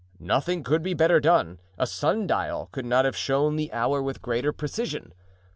Nothing could be better done; a sun dial could not have shown the hour with greater precision.